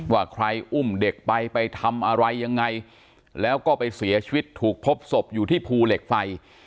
ว่าใครอุ้มเด็กไปไปทำอะไรยังไงแล้วก็ไปเสียชีวิตถูกพบศพอยู่ที่ภูเหล็กไฟ